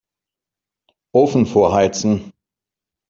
Ofen vorheizen.